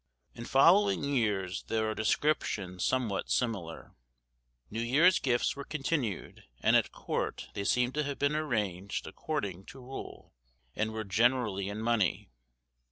In following years there are descriptions somewhat similar. New Year's Gifts were continued; and at court they seem to have been arranged according to rule, and were generally in money.